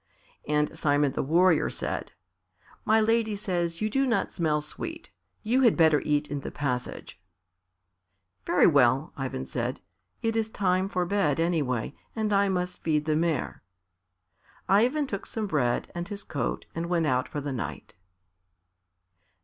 And Simon the Warrior said, "My lady says you do not smell sweet; you had better eat in the passage." "Very well," Ivan said. "It is time for bed anyway, and I must feed the mare." Ivan took some bread and his coat and went out for the night.